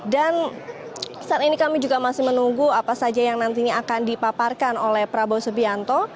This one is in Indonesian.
dan saat ini kami juga masih menunggu apa saja yang nantinya akan dipaparkan oleh prabowo subianto